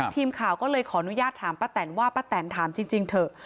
ทีมข่าวก็เลยขออนุญาตถามป้าแตนว่าป้าแตนถามจริงเถอะ